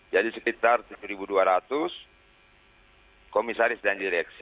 jadi sekitar satu dua ratus komisaris dan direksi